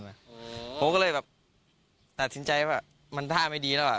ผมก็เลยแบบตัดสินใจว่ามันท่าไม่ดีแล้วอ่ะ